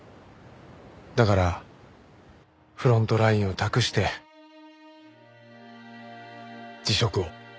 だからフロントラインを託して辞職を。